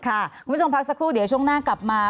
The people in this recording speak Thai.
คุณผู้ชมพักสักครู่เดี๋ยวช่วงหน้ากลับมา